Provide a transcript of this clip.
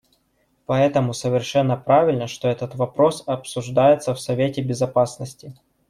Поэтому совершенно правильно, что этот вопрос обсуждается в Совете Безопасности.